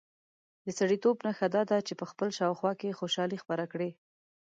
د سړیتوب نښه دا ده چې په خپل شاوخوا کې خوشالي خپره کړي.